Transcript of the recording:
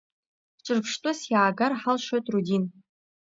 Ҿырԥштәыс иаагар ҳалшоит Рудин.